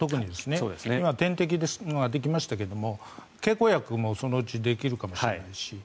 今、点滴できましたけど経口薬もそのうちできるかもしれませんし